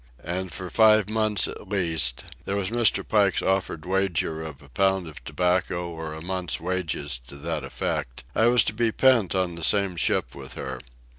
And for five months at least—there was Mr. Pike's offered wager of a pound of tobacco or a month's wages to that effect—I was to be pent on the same ship with her.